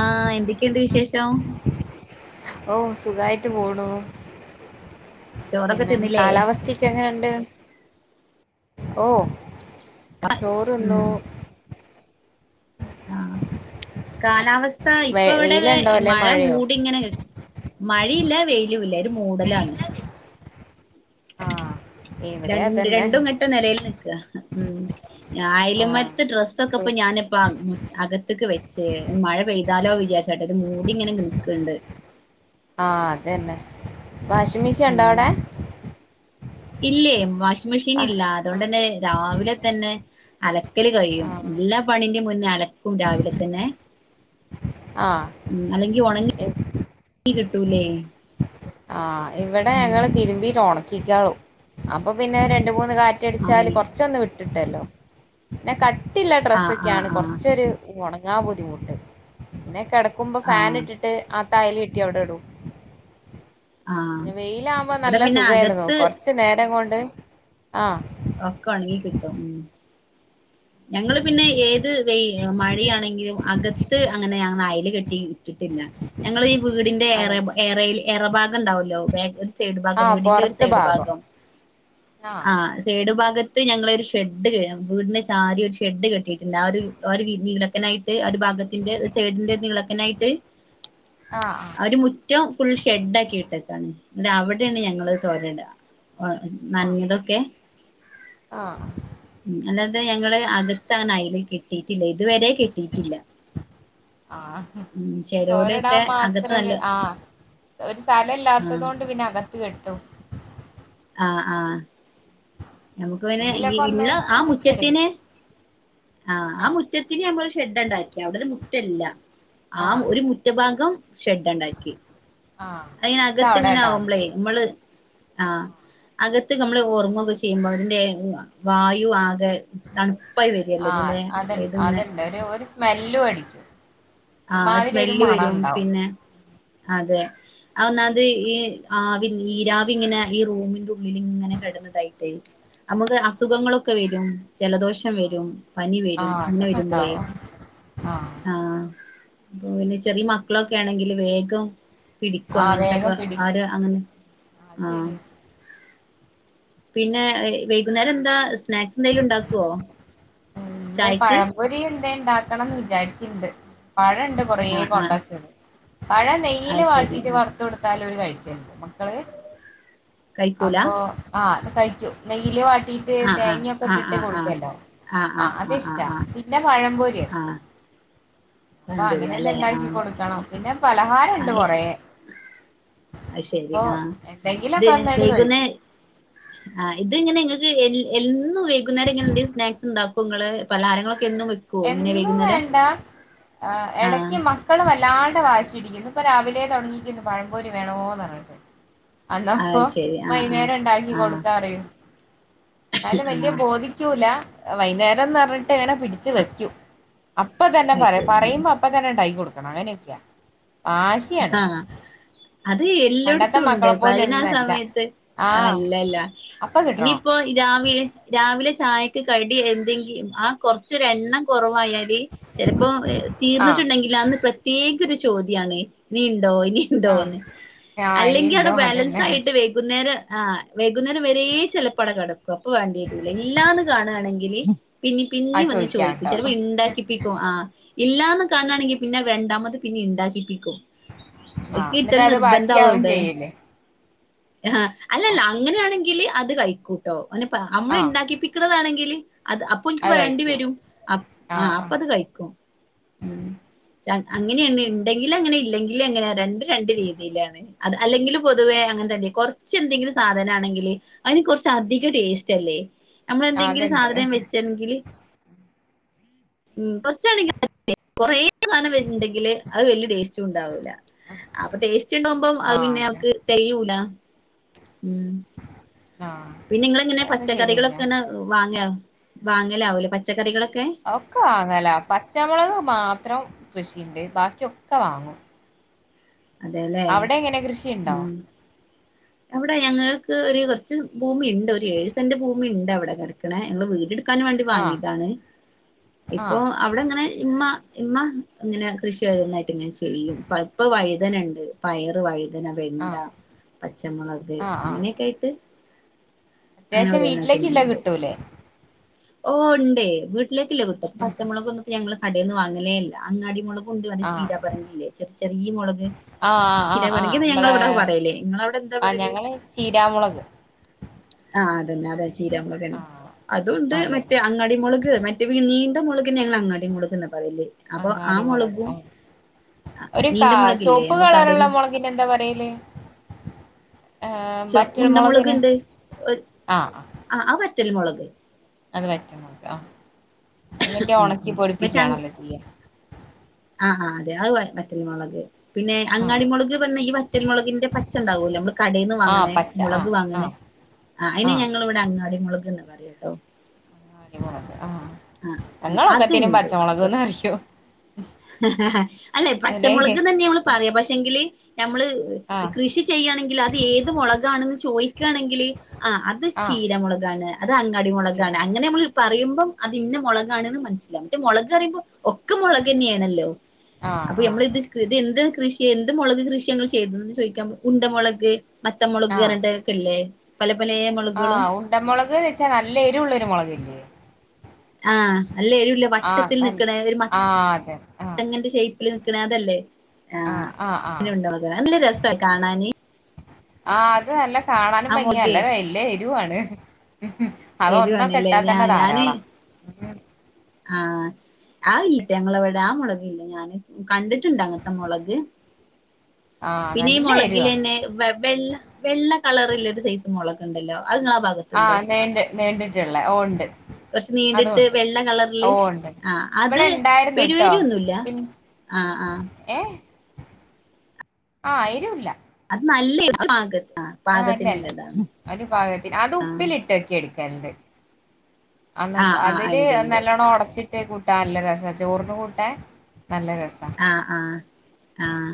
ആഹ് എന്തൊക്കെയുണ്ട് വിശേഷം ഓ സുഖായിട്ട് പോണു ചോറൊക്കെ പിന്നെ തിന്നില്ലേ കാലാവസ്ഥയൊക്കെ എങ്ങനെയുണ്ട് ഓ ചോറ് തിന്നു ഉം ആഹ് കാലാവസ്ഥ വെ ഇപ്പ ഇവിടെ വെയിലുണ്ടോ അല്ലെ മഴ മഴയോ മൂടി ഇങ്ങനെ മഴയില്ല വെ യിലുമില്ല ഒരു മൂടലാണ് ആഹ് ഇവിടെ രണ്ട്‌ അതന്നെ രണ്ടും കെട്ട നിലയിൽ നിക്കുക ഉം ആഹ് അയലമാരിത്തെ ഡ്രസൊക്കെ ഇപ്പ ഞാന് ഇപ്പ അകത്തക്ക് വെച്ച് മഴ പെയ്താലോ വിചാരിച്ചായിട്ട് ഒരു മൂടി ഇങ്ങനെ നിൽക്കണ്ട് ആഹ് അത് തന്നെ വാഷിംഗ് മെ ഉം ഇല്ലേ വാഷിംഗ് മെഷീൻ ആഹ് ഇല്ല ആഹ് അതുകൊണ്ടല്ലേ തന്നെ രാവിലെ തന്നെ അലക്കല് കഴിയും ആഹ് എല്ലാ പണിന്റെയും മുന്നേ അലക്കും രാവിലെ തന്നെ ആഹ് ഉ അല്ലെങ്കി ഉണങ്ങി കിട്ടൂല്ലേ ആഹ് ഇവിടെ ഞങ്ങള് തിരുമ്പിട്ടാ ഉണക്കിക്കാവൂ അപ്പൊ പിന്നെ രണ്ട്‌ മൂന്ന് കാ റ്റടിച്ചാല് ആണല്ലേ കുറച്ചൊന്ന് വിട്ട് കിട്ടൂല്ലോ പിന്നെ കട്ടിയുള്ള ആഹ് ആഹ് ഡ്രസ്സൊക്കെയാണ് ആഹ് കുറച്ചൊരു ഉണങ്ങാൻ ബുദ്ധിമുട്ട് പിന്നെ കിടക്കുമ്പോ ഫാൻ ആഹ് ഇട്ടിട്ട് ആ അയല് കെട്ടി അവിടെ ഇടും ആഹ് പിന്നെ വെയിലാകുമ്പോ ഇവിടെ നല്ല പിന്നെ സുഖവായിരുന്നു അകത്ത് കൊറച്ച് നേരം കൊണ്ട് ആഹ് ഒക്കെ ഒണങ്ങി കിട്ടും ഉം ഞങ്ങള് പിന്നെ ഏത് വെ മഴയാണെങ്കിലും അകത്ത് അങ്ങനെ ഞങ്ങള് അയല് കെട്ടി വിട്ടിട്ടില്ല ഞങ്ങൾ ഈ വീടിന്റെ എറ ആണ് എറെയിൽ എറ ഭാഗം ഉണ്ടാവല്ലോ ബാ ഒരു സൈഡ് ഭാഗം ആഹ് വീടിന്റെ ഒരു പൊറത്ത് സൈഡ് ഭാഗം ആഹ് സൈഡ് ഭാഗത്ത് ഞങ്ങളൊരു ഷെഡ് കെ വീടിന്റെ താഴെ ഒരു ഷെഡ് കെട്ടിയിട്ടുണ്ട് ആ ഒരു ഒരു നീളത്തിനായിട്ട് ആ ഒരു ഭാഗത്തിന്റെ സൈഡിന്റെ നീളത്തിനായിട്ട് [inaudible] ആഹ് ആഹ് ഒരു മുറ്റം ഫുൾ ഷെഡ് ആക്കി ഇട്ടേക്കാണ് എന്നിട്ട് അവിടെയാണ് ഞങ്ങള് തോരാനിടുക ആഹ് നനഞ്ഞതൊക്കെ ആഹ് ഉം അല്ലാ ത്തെ ഞങ്ങള് അകത്തങ്ങനെ അയല് കെട്ടിയിട്ടില്ല ഇതുവരെ കെട്ടിയിട്ടില്ല ആഹ് എനിക്ക് തോര ഇടാൻ അകത്ത് മാത്രം നല്ല ഒരു ആ ഒരു സ്ഥലം ഇല്ലാത്തത് ആഹ് കൊണ്ട് പിന്നെ അകത്ത് കെട്ടും ആഹ് ആഹ് നമുക്ക് പിന്നെ ഈ എങ്ങനെങ്കിലൊക്കെ ഒന്ന് ഇള്ള ആ ഒണക്കി എടുക്കും മുറ്റത്തിന് ആഹ് ആ മുറ്റത്ത്‌ നമ്മള് ഒരു ഷെഡുണ്ടാക്കി അവിടൊരു മുറ്റവില്ല ആ ആഹ് ഒരു മുറ്റഭാഗം ഷെഡുണ്ടാക്കി ആഹ് അയിങ്ങന എന്നിട്ട് അവിടെ അകത്തിങ്ങനെ ആകുമ്പളേ ഇടാറുണ്ട് നമ്മള് ആ അകത്ത് നമ്മള് ഒറങ്ങുവൊക്കെ ചെയ്യുമ്പോ അതിന്റെ വായു ആകെ തണുപ്പായി വരികല്ലേ ഇതിന്റെ ആഹ് അത ഇതിങ്ങനെ അതന്നേ ഒരു ഒരു സ്മെല്ലും അടിക്കും ആഹ് ഒരുമാതിരി ഒരു സ്മെല്ല് മണം വരും ഉണ്ടാവും പിന്നെ അതെ അത് ഒന്നാമത് ഈ ആവി നീരാവി ഇങ്ങനെ ഈ റൂമിന്റെ ഉള്ളിലിങ്ങനെ കെടന്ന് ഇതായിട്ടെ നമുക്ക് അസുഖങ്ങളൊക്കെ വരും ജലദോഷം വരും പനി വരും ആഹ് അങ്ങനെ അതൊക്കെ വരുമ്പളേ ഉണ്ടാവും ആഹ് അപ്പ പിന്നെ ചെറിയ മക്കളൊക്കെ ആണെങ്കിൽ വേഗം പിടിക്കും ആഹ് വേഗം അങ്ങനത്തൊക്കെ ആര് പിടിക്കും അങ്ങനെ അത് ആഹ് ശരിയാ പിന്നെ വൈകുന്നേരം എന്താ സ്നാക്സ് എന്തെലും ഉണ്ടാക്കുവോ എന്തെ ചായക്ക് പഴംപൊരി എന്തേ ഉണ്ടാക്കണോന്ന് വിചാരിക്കണ്ട് പഴം ഉണ്ട് കൊറേ ആ ആ കൊണ്ടെ വച്ചത് പഴം ആ നെയ്യില് ശരി വാട്ടീട്ട് ആ വറ ഇടുത്ത് കൊടുത്താലോര് കഴിക്ക്ണ്ട് മക്കള് കഴിക്കൂല അപ്പൊ ആ ആഹ് അത് കഴിക്കും നെയ്യില് വാട്ടീട്ട് ആ തേങ്ങൊക്കെ ആ ഇട്ടിട്ട് ആ ആ കൊടുക്കല്ലോ ആ ആ അതിഷ്ടാ ആ പിന്നെ പഴംപൊരിയാ ആ ഇഷ്ടം അപ്പൊ പഴംപൊരി അങ്ങനെ എന്തേ അല്ലെ ആ ഇണ്ടാക്കി കൊടുക്കണം പിന്നെ ആ പലഹാരംണ്ട് കൊറേ അത് ശരി അപ്പൊ ആഹ് ഇത് എന്തെങ്കിലൊക്കെ ഒന്നായിട്ട് കഴിക്കും വൈകുന്നേ ആഹ് ഇത് ഇങ്ങനെ ഇങ്ങക്ക് എന്നും വൈകുന്നേരം ഇങ്ങനെ എന്തേ സ്നാക്സ് ഇണ്ടാകും ക്കും ഇങ്ങള് പലഹാരങ്ങളൊക്കെന്നും വി എന്നും വേണ്ട ആ എടക്ക് മ മക്കള് വല്ലാണ്ട് വാശിപിടിക്കുന്ന് ഇന്ന് ഇപ്പൊ രാവിലേ തുടങ്ങിക്കിന്ന് പഴം പൊരി വേണോന്ന് പറഞ്ഞാടണ്ട് അന്നപ്പൊ അത് ശരി ആ ആ വൈന്നേരം ഇണ്ടാക്കി ആ കൊടുക്കാറിയും ഇന്നാലും വല്യ ആ ബോധിക്കൂല വൈന്നേരംന്ന് പറഞ്ഞിട്ട് ഇങ്ങനെ പിടിച്ച് വെക്കും അപ്പ തന്നെ അത് പറയും ശരി ഉം. പറയുമ്പോ അപ്പ തന്നെ ഇണ്ടാക്കി കൊടുക്കണം അങ്ങനെയൊക്കെയാ വാശി ആഹ് അത് പണ്ടത്തെ എല്ലോട്ത്തുണ്ട് മക്കളെ പോലെ പറയിണാ ഒന്നല്ല സമയത്ത് ആഹ് അല്ലല്ല അപ്പ ഇനി കിട്ടണോ ഇപ്പോ ഈ രാവിലെ രാവിലെ ചായക്ക് കടി എന്തെങ്കിലും ആ കുറച്ചൊര് എണ്ണം കുറവായാൽ ചിലപ്പോ ആഹ് തീർന്നിട്ടുണ്ടെങ്കിലോ അന്ന് പ്രത്യേക ഒരു ചോദ്യാണ് ഇനി ഉണ്ടോ ഇനി ആഹ് ഇണ്ടോന്ന് ആഹ് ഇനി അല്ലെങ്കിൽ അത് ഇണ്ടോ അതന്നെ ബാലൻസായിട്ട് വൈകുന്നേരം ആഹ് വൈകുന്നേരം വരെ ചെലപ്പോ അവടെ കെടക്കും അപ്പൊ വേണ്ടി വരൂല ഇല്ലാന്ന് കാണാണെങ്കില് പിന്നിം ആഹ് പിന്നിം വന്ന് ചോയിക്കും ചിലപ്പോ ചോയിക്കാണ്ടാവും ഇണ്ടാക്കിപ്പിക്കും ആഹ് ഇല്ലാന്ന് കാണാണെങ്കിൽ പിന്നെ രണ്ടാമത് പിന്നെ ഇണ്ടാക്കിപ്പിക്കും ഇക്കി ആഹ് കിട്ടൽ എന്നിട്ട് അത് നിർബന്ധാവും ബാക്കിയാവും അവിടെ ചെയ്യൂലേ ആഹ് അല്ലല്ല അങ്ങനെയാണെങ്കില് അത് കഴിക്കൂട്ടോ ഓന് നമ്മള് ആഹ് ഇണ്ടാക്കിപ്പി ക്കണതാണെങ്കിൽ അത് അപ്പൊ ഓല്ക്ക് വേണ്ടി വരും അപ് ആ ആഹ് അപ്പൊ ആഹ് അത് കഴിക്കും ഉം അങ്ങനെയാണ് ഇണ്ടെങ്കിലങ്ങനെ ഇല്ലെങ്കിലങ്ങനെ രണ്ടും രണ്ട് രീതിയിലാണ് അത് അല്ലെങ്കിലും പൊതുവേ അങ്ങൻതന്നെ കൊറച്ച് എന്തെങ്കിലും സാധനാണെങ്കില് അയിന് കുറച്ച് അധികം ടേസ്റ്റല്ലേ നമ്മൾ എന്തെങ്കിലും അതുണ്ട് സാധനം വെച്ചെങ്കില് ഉം കൊറച്ചാണെങ്കില് [unintelligible] കൊറേ സാധനം വരുന്നുണ്ടെങ്കില് അത് വല്യ ടേസ്റ്റുണ്ടാ ല്ല അപ്പൊ ടേസ്റ്റുണ്ടാമ്പം അത് ആഹ് പിന്നെ അതെ അവക്ക് തെയ്യൂല ഉം ആഹ് പിന്നെ ഇങ്ങളെങ്ങനെ അതൊക്കെ ശരിയന്നെ പച്ചക്കറികളൊക്കെണ വാങ്ങ വാങ്ങലാവൂലെ പച്ചക്കറികളൊക്കെ ഒക്കെ വാങ്ങലാ പച്ചമുളക് മാത്രം കൃഷിയ്ണ്ട് ബാക്കിയൊക്കെ വാങ്ങും അതെല്ലേ അവിടെ എങ്ങനെ കൃഷി ഇണ്ടോ ഉം അവിടെ ഞങ്ങൾക്ക് ഒരു കുറച്ച് ഭൂമിയ്ണ്ട് ഒരു ഏഴ് സെന്റ് ഭൂമിയ്ണ്ട് അവിടെ കിടക്കണെ ഞങ്ങള് വീട് ഇട്ക്കാൻ വേണ്ടി ആഹ് വാങ്ങിയതാണ് ഇപ്പോ ആഹ് അവിടെ ഇങ്ങനെ ഇമ്മ ഇമ്മ ഇങ്ങനെ കൃഷി ഓരോന്നായിട്ട് ഇങ്ങനെ ചെയ്യും ഇപ്പ വഴുതനണ്ട് പയറ് വഴുതന വെണ്ട ആഹ് പച്ചമുളക് ആഹ് ആഹ് അങ്ങനെയൊക്കെ ആയിട്ട് അങ്ങനെ അത്യാവശ്യം ഒരോന്നായിട്ട് വീട്ടിലേക്കുള്ളത് ഇങ്ങനെണ്ട് കിട്ടൂലേ ഓ ഉണ്ടേ വീട്ടിലേക്കല്ലേ കിട്ടും ഉം പച്ച മുളക് ഇന്നിട്ട് ഞങ്ങൾ കടേന്ന് വാങ്ങലേല്ല അങ്ങാടി മുളകും ഉണ്ട് അ ആഹ് ചീനാ പറങ്കില്ലേ ചെറിയ ചെറിയ മുളക് ആഹ് ആഹ് ആഹ് ആഹ് ചീനപറങ്കി നമ്മളെ ഞങ്ങളവിടെക്കെ പറയല് ഇങ്ങളെ അവിടെ എന്താ ആഹ് പറയല് ഞങ്ങള് ചീരാമുളക് ആഹ് അതന്നെ അതെ ചീരാമുളക് ന്നെ ആഹ് അതുംണ്ട് മറ്റേ അതന്നെ അങ്ങ ങ്ങടി മുളക് മറ്റേ നീണ്ട മുളക്ന് ഞങ്ങൾ അങ്ങാട്ടി മുളക്ന്നാ പറയല് അപ്പൊ ആ അങ്ങാടി മുളക് മുളകും ആഹ് ഒരു കാ നീണ്ട മുളകില്ലേ ചോപ്പ് നമ്മ കളറുള്ള കടേന്ന് മുളകിന് എന്താ പറയല് ഏഹ് ചോ വറ്റൽ ഉണ്ട മുളക് മുളകിന് ഇണ്ട് ആഹ് അത്‌ വറ്റൽ മുളക് അത് വറ്റൽ മുളക് ആ അത് പിന്നെ ഉം ഉണക്കി ഉം മറ്റേ ആഹ് പൊടിപ്പിക്കയാണല്ലോ ചെയ്യ ആഹ് ആ അതെ അത് വറ്റൽ വറ്റ ൽമുളഗ്.. പിന്നെ ആഹ് അങ്ങാടിമുളക് പിന്നെ ഈ വറ്റൽമുളകിന്റെ പച്ച ണ്ടാവൂലെ നമ്മ കടെന്ന് വാങ്ങണ ആഹ് പച്ച മുളക് ആഹ് വാങ്ങണേ ആഹ് ആ അയിനെ ആഹ് ഞങ്ങളി ഇവിടെ അങ്ങാടി മുളക്ന്നാ പറയട്ടോ. മളക് ആ ആഹ് ആഹ് ഞങ്ങളൊക്കെത്തനും അതുണ്ട് കൊറ പച്ചമുളക്ന്ന്റിയും. അല്ലെ അല്ലെ പച്ചമുളക് ന്നെ നമ്മള് പറയാ പക്ഷെങ്കില്. ഞമ്മള് ആഹ് കൃഷി ചെയ്യയാണെങ്കിൽ അത് ഏത് മുളകാണെന്ന് ചോദിക്കയാണെങ്കില് ആ അത് ആഹ് ചീരമുളകാണ് അത് അങ്ങാടി മുളകാണ് അങ്ങനെ ചീരാമുളക് നമ്മള് പറയുമ്പം അത് ഇന്ന മുളകാണെന്ന് മനസ്സിലാക മറ്റേ മുളക്റുമ്പോ ഒക്കെ മുളക്ന്നെയാണല്ലോ. ആഹ് അപ്പൊ ആഹ് ഞമ്മള് ഇത് ഇത് എന്ത് കൃഷി എന്ത് മുളക് കൃഷി ചെയ്തന്ന് ചോദിക്കാം ഉണ്ടമളക് മത്തമുളക് ആഹ് പറഞ്ഞട്ട്. ല്ലേ പല പല മുളകുകളും ആഹ് ഉണ്ടമുളക്ന്ന് വെച്ചാ നല്ല എരു ഉള്ളരു മുളക്ല്ലേ. ആഹ നല്ല എരു ഉള്ള ആഹ് വട്ടത്തിൽ നല്ല നിക്കണ ഒരു ആഹ് അതെ ആഹ് മങ്ങന്റെ ശ. നണ അതല്ലേ ആ ആഹ് ആഹ് ഉണ്ട മുളക് നല്ല രസ കാണാന് ആഹ അത് നല്ല കാണാനും ആ ഭംഗിയ മുളകേ നല്ല എരുവാണ് എരുവാണല്ലേ ഞാ അതൊന്നട്ടാതന്നെ ധാരാള ആഹ ആ ഇല്ലിട്ട ഞങ്ങ അവിടെ ആ മുളക് ഇല്ല ഞാന് കണ്ടിട്ടുണ്ട് അങ്ങനത്തെ മുളക്. ആഹ് പിന്നെ ഈ നല്ല എരുവാ മുളകിലന്നെ വെള്ള വെള്ള കളറുള്ള ഒരു സൈസ് മുളകണ്ടല്ലോ അത്ങ്ങളാ പക ആഹ നീ നീണ്ടിട്ടുള്ളേ ഓ ഉണ്ട്. കൊറച്ച് നീണ്ടിട്ട് അതുണ്ട് വെള്ള ഓ കളറില് ഉണ്ട് ആ അത് ഇവിടെ ഉണ്ടായിരുന്നു പെരുവേരന്നുല്ല. ആഹ ആഹ ഏഹ ആഹ എരുല്ല. അത് നല്ലരു ആഹ അല്ലല്ല ഒരു പാഗത്തിന് അത് ഉപ്പിലിട്ട് വക്കടുക്കാനണ്ട്. അ ആഹ് ആഹ് അതില് ഇണ്ട് ഇണ്ട് നല്ലണ്ണം ഉടച്ചിട്ട് കൂട്ടാ നല്ല രസാ ചോറിന് കൂട്ടാ നല്ല രസാ. ആഹ് ആഹ് ആഹ്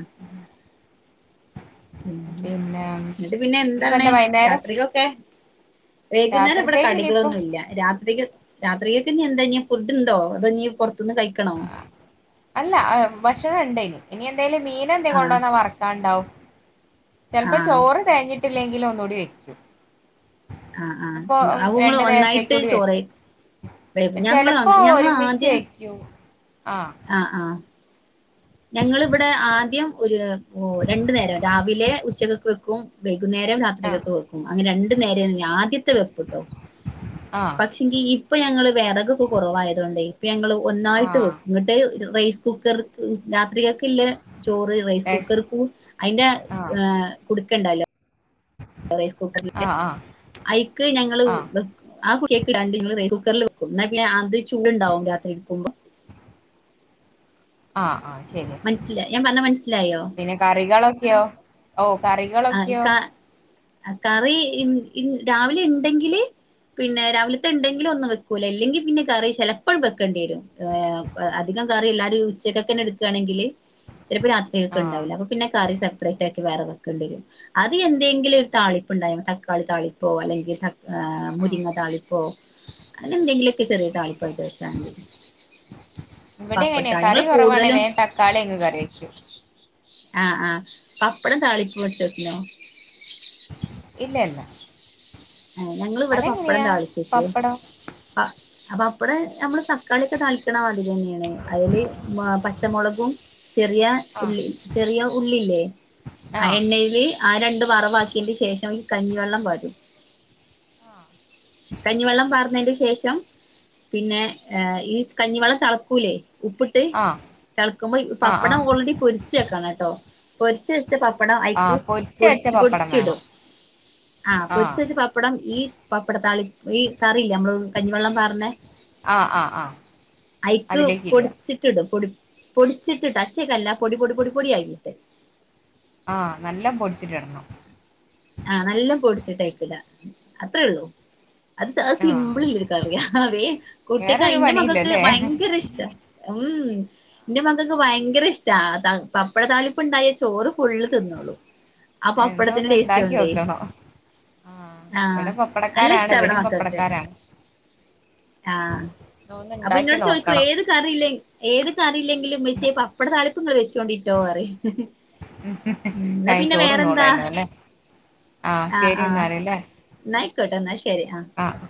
ഉ പിന്നെ ന്നിട്ട് പിന്നെ ഇനിയിപ്പ എന്താണ് എന്താ വൈന്നേരം രാത്രികൊക്കെ? വൈകുന്നേരം വിടെ രാത്രിത്തേക്ക് ഇനിയിപ്പോ കടികളൊന്നും ഇല്ല രാത്രിക്ക് രാത്രികൊക്കെ ഇഞ്ഞിന്താ ഇ ഫുഡ് ണ്ടോ അതൊ ഞ്ഞി പുറത്തുന്ന് കഴിക്കണോ? അല്ല ഭക്ഷണം ഉണ്ടനു ഇനിന്താലും മീന എന്തെങ്ക ആഹ് കൊണ്ടോന്നാ വറക്കാണ്ടാവും. ചലപ്പോ ആഹ് ചോറ് തേഞ്ഞിട്ടില്ലെങ്കിലും ഒന്നുകൂടി വെക്കും. ആഹ് ആഹ് പ്പൊ അപ്പൊ ഇങ്ങള് രണ്ടു നേരത്തേക്ക് ഒന്നായിട്ട് കൂടി ചോറ് വെക്കും. ഞങ്ങള് ചെലപ്പോ ഞങ്ങള് ഒരുമിച്ച് ആദ്യം വെക്കൂ ആഹ ആഹ് ആഹ് ഞങ്ങളിവിടെ ആദ്യം ഒരു ഓ രണ്ടു നേരം രാവിലെ ഉച്ചക്ക് വെക്കും വൈകുന്നേരംരാത്രി ആഹ് തെക്ക് വെക്കും രാത്രി ത്തെ വെക്കും അങ്ങനെ രണ്ടു നേരം ആദ്യത്തെ വെപ്പ്ട്ടോ ആഹ് പക്ഷെങ്ക ഇപ്പൊ ഞങ്ങൾ വിറകൊക്കെ കുറവായതു കൊണ്ട് ഇപ്പൊ ഞങ്ങൾ ഒന്നായിട്ട് ആഹ് വെക്കും ഇ റൈസ് കുക്കർ രാത്രികക്ക ഇല്ലേ ചോറ് റൈസ് രസ് കുക്കർക്കും അതിന്റെ ആഹ് ഹ് കു ടുക്കണ്ടല്ലോ റൈസ്കൂക്ക റിന്റെ ആഹ് ആഹ് അയിക്ക് ഞങ്ങള് ആഹ് ആ കുക്ക്ണ്ട കുക്കറിൽ വെക്ക എന്നെ അത് ചൂടു ഉണ്ടാവും രാത്രി എടുക്കുമ്പോ ആ ആഹ് ശരി മനസ്സില ഞാൻ പറഞ്ഞ മനസിലായോ പിന്നെ കറികളൊക്കെയോ ഓ കറികൾ ആ ക കറി രാവിലെ ഇണ്ടെങ്കില് പിന്നെ രാവിലത്തെ ഉണ്ടെങ്കിലും ഒന്നും വെക്കൂല ഇല്ലെങ്കിൽ പിന്നെ കറി ചിലപ്പോഴും വെക്കണ്ടി വരും അധികം കറി എല്ലാവ രും ഉച്ചക്കെ തന്നെ എടുക്കുകയാണെങ്കിൽ ചിലപ്പോ രാത്രി ആഹ് ഒക്കെണ്ടാവില്ല അപ്പ പിന്നെ കറി സെപ്പറേ ആക്കി വേറേ വെക്കും അത് എന്തെങ്കിലും ഒരു താളിപ്പ്ണ്ടായമതി തക്കാളി താളിപ്പോ അല്ലെങ്കിൽ ആഹ് മുരിങ്ങ താളിപ്പോ അങ്ങനെ എന്തെങ്കിലുക്കെ ചെറിയ ആഹ് ആഹ് താളിപ്പോക്കി വെച്ചാമതി ഇവിടെ അങ്ങനെ കറി കുറവാണ വേഗം തക്കാളി യ ങ്ങ് കറി വെക്കും ആഹ് ആഹ് പപ്പടം താളിപ്പ് വെച്ചക്കനോ ഇല്ല ഇല്ല ആ ഞങ്ങൾ ഇവിടെ പപ്പടം അതെങ്ങനെയാ താളിച്ച് വെക്കും പപ്പടം അപ്പടം നമ്മള് തക്കാളിയ ഒക്കെ താളിക്കണ മതിരിന്നെയാണ് അതില് പച്ചമുളകും ചെറിയ ആഹ് ഉള്ളി ചെറിയ ഉള്ളില്ലേ ആ ആഹ് എണ്ണയില് ആ രണ്ട് വറവാക്കിയന്റെ ശേഷം ഈ കഞ്ഞിവെള്ളം പാ രും ആഹ് കഞ്ഞിവെള്ളം പാർന്നതിന്റെ ശേഷം പിന്നെ ഈ കഞ്ഞിവള തളക്കൂലേ ഉപ്പിട്ട ആഹ് തിളക്കുമ്പോ ആഹ് പപ്പടം ആഹ് ഓൾറെഡി പൊരിച്ച് വെക്കണം കേട്ടോ പൊരി ച്ച് ച്ച പപ്പടം അയിക്ക് ആഹ് പൊരിച്ച് വെച്ച പൊടിച്ച് പൊടിച്ച പപ്പടം ഇടും വേണം ആ പൊരിച്ച് ആഹ് വെച്ച പപ്പടം ഈ പപ്പടത്താളി ഈ കറിയില്ലേ നമ്മള് കഞ്ഞിവെള്ളം പർന്നേ ആഹ് ആഹ് ആഹ് അയി ക്ക് അതിലേക്ക് പൊടി ഇടുക ച്ചിട്ടിടും പൊടി പൊടിച്ചിട്ടിട്ട് അച്ചല് ക്കല്ല പൊടി പൊടി പൊടി പൊടിയാക്കിയിട്ട് ആഹ് നല്ല പൊടിച്ചിട്ടി ഇടണം ആഹ് നല്ല പൊടിച്ചിട്ട് ആയിക്ക് ഇട അത്രേ ഉള്ളൂ അത് ആഹ് സിമ്പിളില്ല ക്കാറിയ അതേ കുട്ടിക്ക് വേറൊരു ഇന്റെ മകൾക്ക് പണിയില്ലല്ലേ ഭയങ്കര ഇഷ്ട്ടാ ഉം ഇന്റെ മകൾക്ക് ഭയങ്കര ഇഷ്ട പപ്പട താളിപ്പ് ഉണ്ടായ ചോറ് ഫുള്ള് തിന്നോള്ളും എന്നാ ഒന്ന് അപപ്പടത്തിന്റെടെസ്റ്റ്‌ ഇണ്ടാക്കി ണ്ടേ നോക്കണം ആഹ് ഇവിടെ നല്ല ഇഷ്ട പപ്പടക്കാരാണ് ഇവിടെ ഇവരും മക്കൾക്കെ പപ്പടക്കാരാണ് ആഹ് ഒന്ന് അപ്പൊ ഇണ്ടാക്കി ഇന്നോട് ചോദിക്കോ നോക്കണം ഏത് ഏതു കറിലേലും ഏത് കറില്ലെങ്കിലും ഉമ്മച്ചിയെ പപ്പട താളിപ്പങ്ങള് വെച്ചോണ്ടിട്ടോ പറയും ഉം ന്നാ കൈ പിന്നെ വേറെന്താ ചോറുംന്നല്ലോ അല്ലേ ആഹ് ശരി എന്നാലല്ലേ ന്നായിക്കോട്ടെ ന്നാ ശരി ആഹ്